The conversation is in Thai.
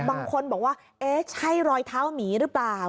บางคนบอกว่าเอ๊ะใช่รอยเท้าหมีหรือเปล่า